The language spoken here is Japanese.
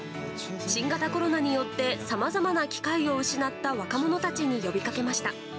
新型コロナによってさまざまな機会を失った若者たちに呼びかけました。